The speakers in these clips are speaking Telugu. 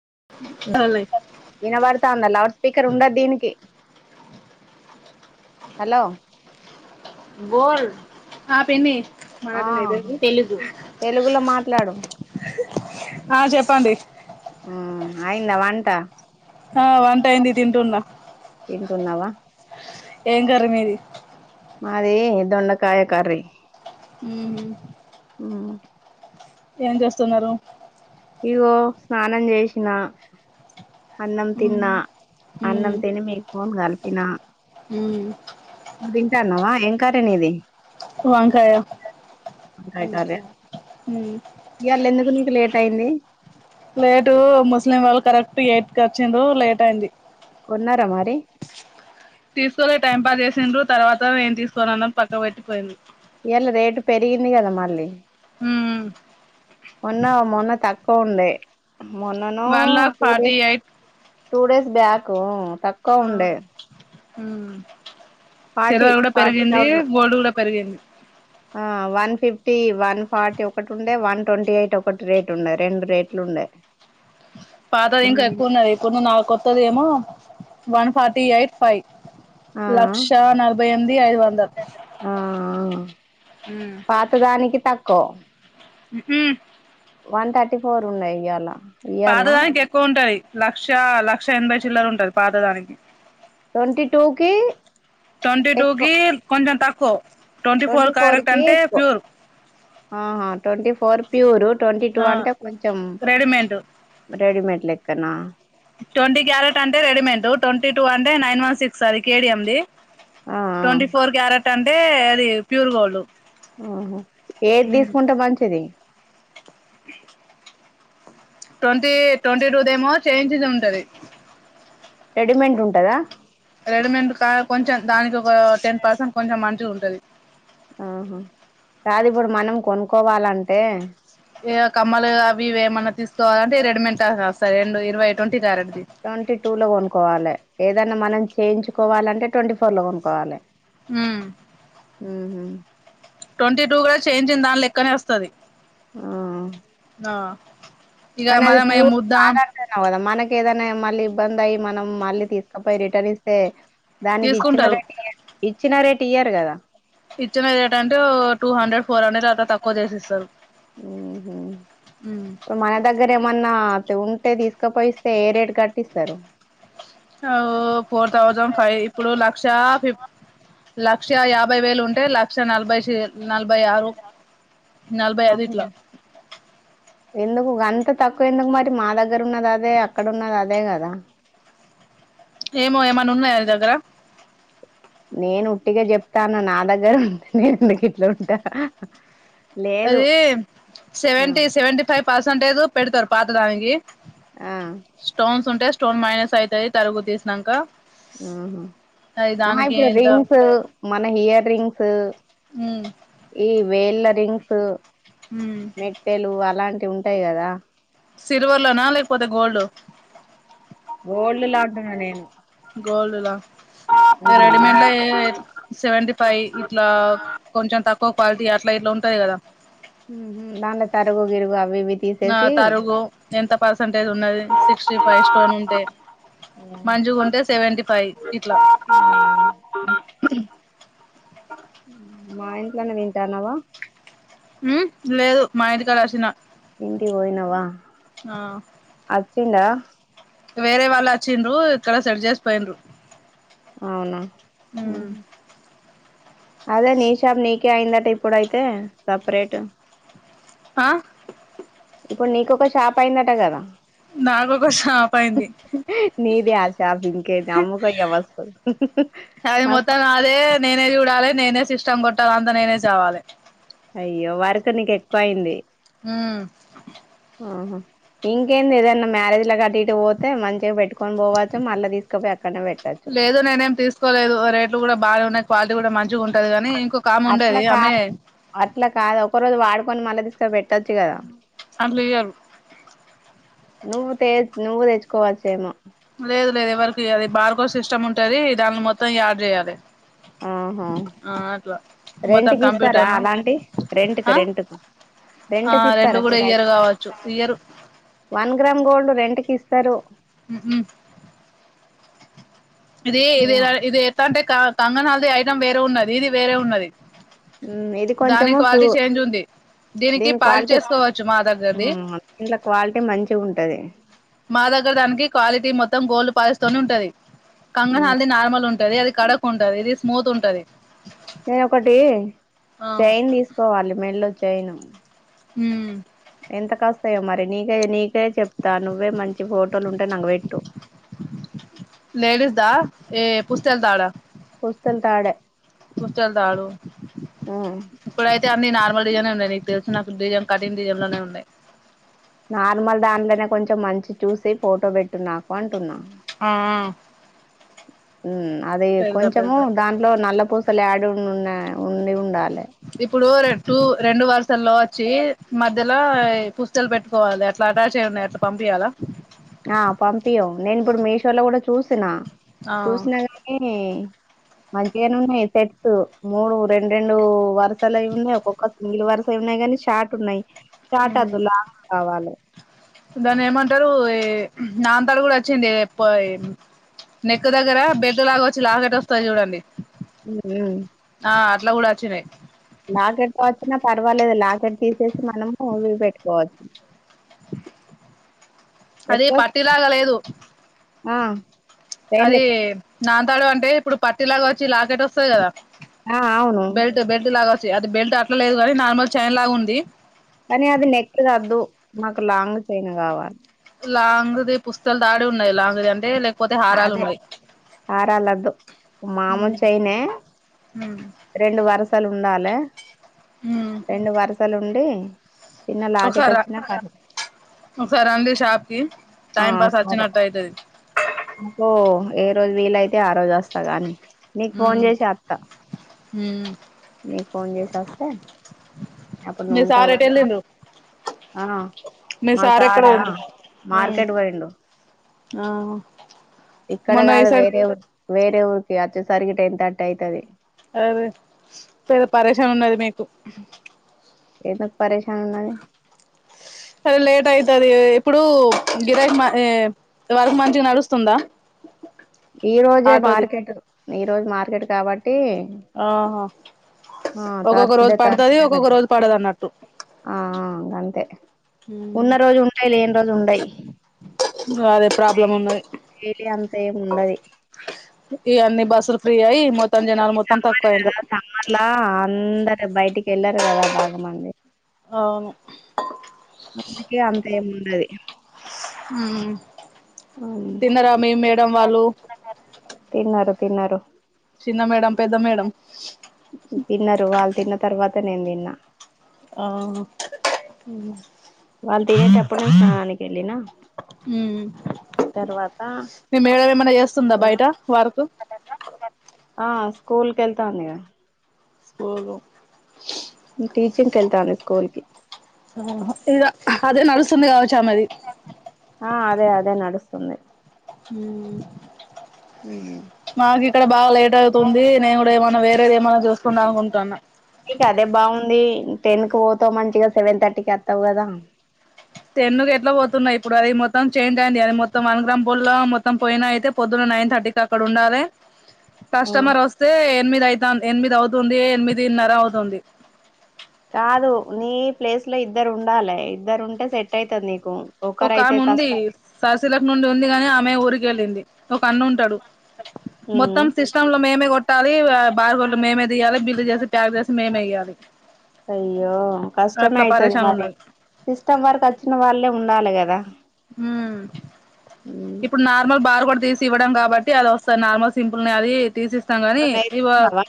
[inaudible] వినబడుతుందా లౌడ్ స్పీకర్ ఉండదు దీనికి హలో బోల్ హ పిన్ని ఆ మరాఠన ఇది తెలుగు తెలుగులో మాట్లాడు ఆ చెప్పండి ఉ అయిందా వంట ఆ వంట అయింది తింటున్నా తింటున్నావా ఏం కర్రీ మీది మాది దొండకాయ కర్రీ ఉ ఉ ఏం చేస్తున్నారు ఇగో స్నానం చేసిన అన్నం తిన్నా అన్నం తిని మీకు ఫోన్ కలిపిన నువు తింటా అన్నావా ఏం కర్రీ నీది వంకాయ ఇ వాళ్ళ ఎందుకు నీకు లేట్ అయింది లేటు ముస్లిం వాళ్ళు కరెక్ట్ ఎయిట్ క వచ్చిరు లేట్ అయింది కొన్నార మరి తీసుకులే టైం పాస్ చేసిండ్రు తర్వాత నేం తీసుకోనిన్నని పక్క పెట్టిపోయింది ఇయ్యాల రేటు పెరిగింది కదా మళ్ళీ హూ మొన్న మొన్న తక్కువ ఉండే మొన్నను one lakh two forty days eight two days back తక్కువ ఉండే ఫార్టీ సిల్వర్ కూడా ఫార్టీ జాబ్ పెరిగింది థౌజండ్ గోల్డ్ కూడా పెరిగింది ఆ వన్ ఫిఫ్టీ వన్ ఫార్టీ ఒకటి ఉండే వన్ ట్వంటీ ఎయిట్ ఒకటి రేటు ఉండే రెండు రేట్లు ఉండే పాతది ఇంకా ఉమ్, ఎక్కువ ఉన్నది ఇప్పుడు ను్వు నా కొత్తది ఏమో వన్ ఫార్టీ ఎయిట్ ఫైవ్ ఆ లక్ష నలభై ఎనింది ఐదు వందల పాత దానికి తక్క హ వన్ థర్టీ ఫోర్ ఉన్నాయి ఇయ్యాలా పాతదానికి ఎక్కువ ఉంటది లక్ష లక్ష ఎనభై చిల్లర ఉంటది పాతదానికి ట్వంటీ టూ కి తొంటి టుకి కొంచెం తకు ట్వ ఫోర్ కి ఎక్కువ ప్యూర్ అ హ తొంటి ఫర్ కి ట్వంటీ టూ ఆ అంటే కొంచెం రెడీమేడ్ రెడీమేడ్ లెక్కనా ట్వంటీ క్యారెట్ అంటే రెడీమేట్ ట్వంటీ టూ అంటే నైన్ వన్ సిక్స్ అది కేడిఎం ది ఆ ట్వంటీ ఆ, ఫోర్ క్యారెట్ అంటే అది ప్యూర్ గోల్డ్ ఆహో ఏది తీసుకుంటే మంచిది ట్వంటీ ట్వంటీ టూదేమో చేయించిది ఉంటది రెడీమేండ్ ఉంటదా రెడీమేడ్ కా కొంచెం దానికి ఒక టెన్ పర్సెంట్ కొంచెం మంచిది ఉంటది ఆహా కాదు ఇప్పుడు మనం కొనుక్కోవాలంటే ఇ కమ్మలు అ ఇవి ఏమన్నా తీసుకోవాలంటే రెడిమెంట్ ఆ సా రెండు ఇరవై ట్వంటీ క ట్వంటీ టూ లో కొనుక్కోవాలి ఏదైన్నా మనం చేయించుకోవాలంటే ట్వంటీ ఫోర్ లో కొనుక్కవాలి హు హ ట్వంటీ టూ కూడా చేంఇంచినదాని లెక్కనే వస్తది ఆ ఆ ఇగ కానీ అది మనం ఏ ప్యూర్ ముద్ద కాదు అంటన్నావ్ కదా మనక్ ఏదైనా మళ్ళీ ఇబ్బంది అయ్య మనం మళ్ళీ తీసుకపోయి రిటర్న్ ఇస్తే దానికి ఇచ్చిన తీసుకుంటారు రేట్ ఇయ్యారు ఇచ్చిన రేట్ ఇయ్యరు కదా ఇచ్చిన రేట్ అంటే టూ హండ్రెడ్ ఫోర్ హండ్రెడ్ అట్ల తక్కువ చేసిఇస్తారు మన దగ్గర ఏమన్నా ఉంటే తీసుకపోయిస్తే ఏ రేట్ కట్టిస్తారు ఫోర్ థౌజండ్ ఫైవ్ ఇప్పుడు లక్ష ఫఫ లక్ష యాభై వేలు ఉంటే లక్ష నలభై నలభై ఆరు నలభై అది ఇట్లా అవును ఎందుకు అంత తక్కువ ఎందుకు మరి మా దగ్గర ఉన్నది అదే అక్కడ ఉన్నది అదే కదా ఏమో ఏమనా ఉన్నాయా ని దగ్గర నేను ఉట్టిగా చెప్తా నా నా దగ్గర ఉంటే నేను ఎందుకు ఇట్లా ఉంటా లేదు అది ఆ సెవెంటీ సెవెంటీ ఫైవ్ పర్సెంటేజ్ పెడతారు పాత దానికి ఆ స్తుంటే స్టోన్ మైనస్ అవుతది తరుగు తీసినాక ఆహ అది ఆ దానికి ఇప్పుడు ఎంత రింగ్స్ మన ఇయర్ రింగ్స్ ఉమ్ ఇవేల డ్రింక్స్ ఉమ్ మెట్టెలు అలాంటివి ఉంటాయి కదా సిల్వర్ లోనా లేకపోతే గోల్డ్ గోల్డ్ లా అంటున్న నిను గోల్డ్ లా రెడీమేడ్ లో సెవెీ ఫైవ్ ఇట్లా కొంచెం తక్కువ ఇ క్వాలిటీ అట్లా ఇట్లా ఉంటది కదా మ్ హు దాంట్ల తరుగు గిరుగు అవి ఇవి ఆ తీసేసి తరుగు ఎంత పర్సంటేజ్ ఉన్నది సిక్స్టీ ఫైవ్ స్టోన్ ఉంటే ఉహు. మంజుగుంటే సెవెంటీ ఫైవ్ ఇట్లా మా ఇంట్లోనే తింటానవా లేదు మా ఇంటికి కాడ వచ్చిన మీ ఇంటికి పోయినావా ఆ అచ్చిండా వేరే వాళ్ళు వచ్చిన్రు ఇక్కడ సెట్ చేసి పోయిన్రు అవునా అదే నీషాబ్ నీకే అయిందట ఇప్పుడుయితే సపరేట్ ఆ ఇప్పుడు నీక ఒక షాప్ అయిందట కదా నాకు ఒక షాప్ అయింది నేదీ ఆ షాప్ ఇంకా అయితే అమ్ముకో ఇగ మస్తు అమ్ము రాలేదు నేనే సిస్ష్టమ్ కొట్టాలి అంత నేనే చవాలి అయ్యో వర్క్ నీకు ఎక్కువ అయింది ఆహో ఇంకేంది ఏదన్నా మ్యారేజ్ లో కటు పోతే మంచిగా పెట్టుకొని పోవచ్చు మళ్ళీ తీసుకోపో క్క పెట్టు లేదు నేనేం తీసుకోలేదు రేటు కూడా బాగా ఉన్నాయి క్వాలిటీ కూడా మంచిగా ఉంటది కాని ఇంకొక ఆ అట్లా కాదు స [unintelligible] అట్లా కాదు ఒక రోజు వాడుకొని మళ్ళీ తీసుక పెట్టొచ్చు కదా అట్ల ఇయరు నువ్వు తే నువ్వు తెచ్చుకోవచ్చ ఏమో లేదు లేదు ఎవరికి ఇయ్యారు బార్ కోడ్ సిస్టమ్ ఉంటది దానిని మొత్తం యాడ్ చేయాలి ఆహా ఆ అట్లా మొత్తం రెంట్కి ఇస్తారా కంప్యూటర్ను అలాంటి రెంట్కి రెంట్కు ఆ రెంట్ కి రెండు ఇస్తారా కూడా మీరు ఇయ్యరు కావచ్చు ఇయ్యరు వన్ గ్రామ్ గోల్డ్ రెంట్ కి ఇస్తారు హ్మ్మ్ ఇది ఇది ఇది ఎంత అంటే కంగనా హల్ది ఐటం వేరే ఉన్నది ఇది వేరే ఉన్నది ఉమ్, ఇది దాని కొంచెము క్వాలిటీ ప్యూ చేంజ్ ఉంది దీనికి దీని పాలు క్వాలిటీ చేసుకోవచ్చు మా దగ్గరది మ్మ్ దీంట్లో క్వాలిటీ మంచిగా ఉంటది మా దగ్గర దానికి క్వాలిటీ మొత్తం గోల్డ్ పాలిష్ ఉంటుది మ్మ్ కంగనాలుది నార్మల్ ఉంటుంది ఉంటది అది కడక్ ఉంటది ఇది స్మూత్ ఉంటది నేను ఒకటి చైన్ తీసుకోవాలి మెడలొ చైను హ్మ్ ఎంత కస్తాయో మరి నీకే నీకే చెప్తా నువ్వే మంచి ఫోటోలు ఉంటే నాకి పెట్టు లేేడీస్ దా ఏ పుస్తల్ తడ పుస్తలు తాడే పుస్తలు తాడు మ్మ్ ఇప్పుడయితే అన్ని నార్మ డిజనే ఉన్నాయి నీ తెలుసు [unintelligible] నాకు డిజం కఠన్ డిజ లోనే ఉన్నాయి నార్మల్ దాంట్లోనే కొంచెం మంచి చూసి ఫోటో పెట్టడం నాకు అంటూనా హా అది కొంచము దాంట్లో నల్లపూసలు డు ఉ ఉన్న ఉండి ఉండాలి ఇప్పుడు టూ రెండు వర్సల్లో వచ్చి మధ మలా పుస్తలు పెట్టుకోవాలి ఎట్లా అటాచ్ అయ ఉన్నాయి అట్లా పంపయాల ఆ పంపింయు నేను ఇప్పుడు మీషో లో కూడా చూసిన చూసినా నీ మంచిగానే ఉన్నాయి సెట్స్ మూడు రెండు రెండు వర్సాలువి ఉన్నాయి ఒక్కొక్క సింగిల్ వర్సాలు ఉన్నాయి కాని షాట్ ఉన్నాయి హ షార్ట్ వద్దు లాంగ్ కావాలి దాన్ని ఏమంటారు ఏ నాంతాడు కూడా వచ్చింది ఎ పోయి నెక్క దగ్గర బెల్ట్ లాగా వచ్చి లాకేట్ వస్తంది చూడండి హ్మ్ ఆ అట్లా కూడాచ్చినయి లాకెట్తో వచ్చిన పర్వాలేదు లాకెట్ తీసేసి మనము ఊవి పెట్టుకోవచ్చు అది పెట్టుకోవచ్చు పట్టిలాగ లేదు. ఆ చైన్ అది లెక్క నాంతాడు అంటే ఇప్పుడు పట్టి లాగా వచ్చి లాకెట్ వస్తది కదా. ఆ అవును బెల్ట్ బెల్ట్ లాగా అది బెల్ట్ అట్లా లేదు కాని నార్మల్ చైన్ లాగా ఉంది. కానీ అది నెక్ కద్దు మాకు లాంగ్ చైన్ కావాలి. లాంగ్ది పుస్తలు తాడు ఉన్నాయి లాంగ్ది అంటే. పోతే హారాలు అదే ఉన్నాయి. హారాలొద్దు మామూలు చైనే హుమ్ పల్లు ఉండాలె రెండు వరుసలుండి చిన్న లాకెట్ ఒకసారి రా వచ్చినా ఒకసారి రండి షాప్ కి ఆ టైం పాస్ సరే వచ్చినట్టు అయితది. ఓ ఏ రోజు వీలయితే ఆ రోజు వస్తా గాని నీకు ఫోన్ ఉమ్ చేసి అత్త ఉమ్ నీకు ఫోన్ చేసి వస్తే అప్పుడు మీ నువ్వు ఉంటావు సార్ కదా ఎటెళ్ళిండ్రు. ఆ మీ మా సార్ ఎక్కడ సారా పోయిండు. మార్కెట్ పోయిండు ఆ ఇక్కడ మొన్న ఈ కాదు సైడ్ వేరే ఊరు వేరే ఊరికి అచ్చేసరికి టెన్ థర్టీ అయితది. సరే పెద్ద పరేషన్ ఉన్నది మీకు ఏదో అది లేేట్ అయితది. ఇప్పుడు గిరాకి వర్కు మంచిగా నడుస్తుందా. ఈ రోజే మార్కెట్ ఈ రోజు మార్కెట్ కాబట్టి ఆహ ఆ తార్సడే తార్సడే పడదు అన్నట్టు ఆ గంతే ఉన్న రోజు ఉంటయి లేని రోజు ఉండయి. అదే ప్రాబ్లం ఉన్నది డైలీ అంత ఏమి ఉండది ఇగా అన్ని బస్సులు ప్రీ అయ్యి మొ ఈ సమ్మర్ కదా సమ్మర్లా అందరు బయటికి వెళ్లరు కదా బాగా మంది అవును అందుకే అంతేం ఉండది. ఉమ్ తిన్నరా మీ మేడం వాళ్ళు తిన్నారు తిన్నారు చిన్న మేడం పెద్ద మేడం తిన్నారు వాళ్ళు తిన్న తర్వాత నేను తిన్నా ఆహా వాళ్ళు తినేటప్పుడు నేను స్నానానికి వెళ్ళిన ఉమ్ తర్వాత మీ మేడమ్ ఎప్ ఏం అయినా చేస్తుందా బయట వర్కు స్కూలుకెళ్తా అందిగా స్కూల్ టీచింగ్ కెల్తాంది స్కూల్ కి ఆహ ఇద అదే నడుస్తుంది కావ ఆ అదే అదే నడుస్తుంది. ఉమ్ మాకు ఇక్కడ బాగా లేట్ అవుతుంది నేను కూడా ఏమైన్నా వేరేది ఏమన్నా చూసుకుందామనుకుం ఇంక అదే బాగుంది టెన్ కి పోతావు మంచిగా సెవెన్ థర్టీ కి వత్తావు కదా. టెన్నుకు ఎట్లా పోతున్నా ఇప్పుడు అది మొత్తం చేంజ్ అయింది అది మొత్తం వన్ గ్రామ్ గోల్డ్ లా మొత్తం పోయిన అయితే పొద్దున్న. నైన్ థర్టీ కి అక్కడ ఉండాలె కస్టమర్ వస్తే ఎనిమిది అయితాం ఎనిమిది అవుతుంది ఎనిమిదిన్నర అవుతుంది. కాదు నీ ప్లేస్ లో ఇద్దరు ఉండాలె ఇద్దరు ఉంటే సెట్ అయితంది. ఒక ఆమె ఉంది సరసిల్లకు నుండి ఉంది గాని ఆమె ఊరికి వెళ్ళింది. ఒక అన్న ఉంటాడు ఉమ్ మొత్తం సిస్టమ్ లో మేమే కొట్టాలి బార్కోడ్లు మేమే తియ్యాలి బిల్ చేసి టాబ్లెట్స్ మేమే ఇయ్యాలి [inaudible] అయ్యో కష్టమే అట్లా అయితది పరేశాన్ మరి ఉన్నది సిస్టమ్ వర్క్ వచ్చిన వాళ్ళే ఉండాలి కదా ఉమ్ ఉమ్, ఇప్పుడు నార్మల్ బార్ కోడ్ తీసి ఇవ్వడం కాబట్టి అది వస్తది నార్మల్ సింపుల్ నే అది తీసి స్తాం కాని నువ్వు ఈ బా నేర్చుకున్నావా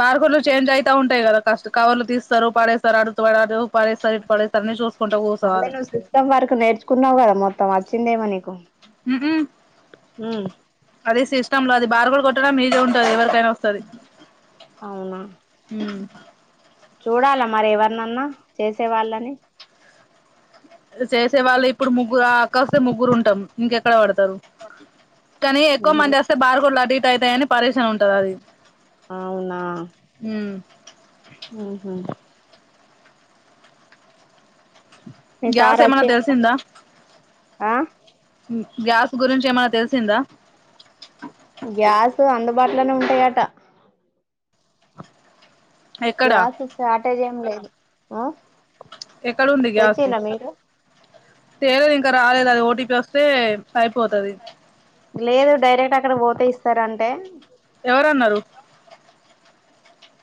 బార్ కోడ్లు చేంజ్ అయితా ఉంటాయి కదా కష్ట కవర్లు తీస్తారు పడేసు తరాడుతువరాజు ఆన్లైన్ లో సిస్టమ్ వర్క్ నేర్చుకున్నావు కదా మొత్తం వచ్చిందేమో నీకు ఉ ఉహు ఉమ్ అదే సిసు సిస్టమ్ లో అది బారు కోడ్ కొట్టడం మీజే ఉంటది ఎవరికైనా వస్తది అవునా ఉ చూడాలా మరి ఎవరినన్నా చేసే వాళ్ళని చేసే వాళ్ళు ఇప్పుడు ముగ్గురు ఆ అక్క అస్తే ముగ్గురు ఉంటాం ఇంకెక్కడ వడు తారు కానీ ఎక్కువ ఉహు, మంది వస్తే బార్ కోడ్ లు అటు ఇటు అయితాయని పరేషాన్ ఉంటంది అది అవునా ఉమ్ ఆహ మీ గ్యాసు సార్ ఏమన్నా వచ్చిండా తెలిసిందా ఆ గ్యాస్ గురించి ఏమన్నా తెలిసిందా టేయట ఎక్కడా గ్యాస్ స్టార్టేజ్ ఏం లేదు అ ఏక్కడ ఉంది గ్యాస్ తేలేదు ఇంకా రాలేదు అది ఓటీపి వస్తే అయిపోతది లేదు డైరెక్ట్ అక్కడ పోతే ఇస్తారంటే ఎవరు అన్నారు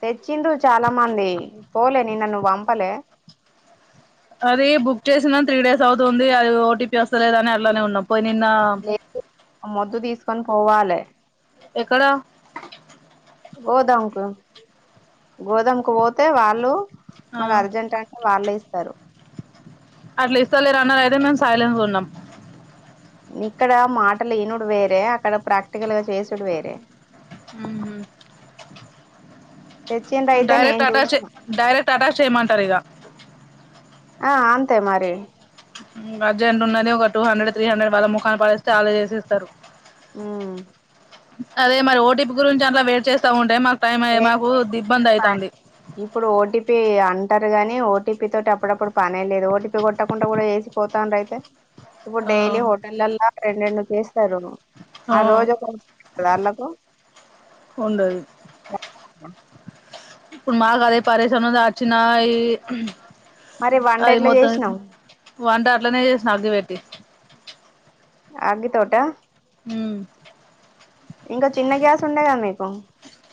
తెచ్చిండు చాలా మంది పోలే నిన్న నువ్ పంపలే అది బుక్ చేసినా త్రీ డేస్ అవుతుంది అది ఓటీపీ వస్తలేదు అని అల్లానే ఉన్నాం పోయి నిన్న లేపు ఆ మొద్దు తీసుకొని పోవాలి ఎక్కడ గోదాం కు గోధం కు పోతే వాళ్ళు ఆ మాకు అర్జెంట్ అంటే వాళ్ళే ఇస్తారు అట్లా ఇస్తారు లేరు అన్నారు అయితే మేము సైలెంట్ ఉన్నాం ఇక్కడ మాటలు ఈనుడు వేరే అక్కడ ప్రాక్టికల్ గా చేసుడు వేరే హుమ్మ్ తెచ్చిండ్రు అయితే డైరెక్ట్ నేను అటాచ్ చూసిన డైరెక్ట్ అటాచ్ చేయమంటారు ఇగ ఆ అంతే మరి హుమ్మ్ అర్జెంట్ ఉన్నది ఒక టూ హండ్రెడ్ త్రీ హండ్రెడ్ వాళ్ళ మొఖాన పడేస్తే అల్లే చేసేస్తారు ఉమ్ అదే మరి ఓటిపి గురించి అట్లా వెయిట్ చేస్తా ఉంటే మాకు టైం అయే మాకు దిబ్బంది అయితంది టా గాని ఓటీపీ తోటి అప్పుడప్పుడు పనే లేదు ఓటీపీ కొట్టకుండా కూడా వేసిపోతాండ్రు అయితే ఇప్పుడు ఆ డైలీ హోటల్లా రెండు ఎందుకు ఏస్తారు ఆ రోజు ఒకరాళ్లకు ఉండదు అ ఇప్పుడు మాకు అదే పారేశన్నదా ఆచ్చిన ఈ మరి వంట అది ఎట్లా మొత్తం చేసినావు వంట అట్లనే చేసిన అగ్గి వెట్టి అగ్గి తోట హ్మ్ ఇంకా చిన్న గ్యాస్ ఉండే కదా మీకు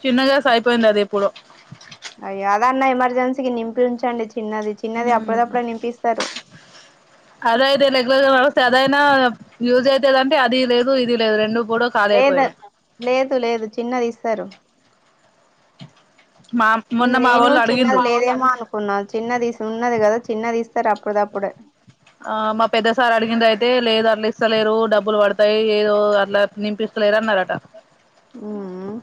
చిన్న గ్యాస్ అయిపోయింది అది ఎప్పుడో అయ్యో అది అన్నా ఎమర్జెన్సీకి నింపి ఉంచండి చిన్నది చిన్నది అప్పుడదప్పుడే నింపి ఇస్తారు అదయితే రెగ్యులర్ గా వస్తే అదైనా యూజ్ అయితేదంటే అది లేదు ఇది లేదు రెండు కూడా ఖాళీ లేదా అయిపోయినాయి లేదు లేదు చిన్నది ఇస్తారు మా మొన్న మా నేను వాళ్ళు చిన్నది అడిగిండ్రు లేదేమో అనుకున్నాను చిన్నది ఉన్నది కదా చిన్నది ఇస్తారు అప్పుడుద అప్పుడు ఆ మా పెద్దసార్ అడిగింద అయితే లేదు అట్లా ఇస్తలేరు డబ్బులు పడతాయి ఏదో అట్లా నినిపిస్త క్లేర్న్నారట ఉమ్